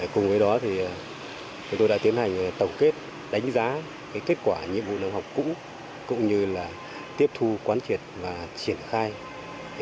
cùng với đó chúng tôi đã tiến hành tổng kết đánh giá kết quả nhiệm vụ lớp học cũng như là tiếp thu quán triệt và triển hợp